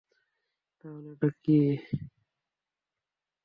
তাহলে এটা কে?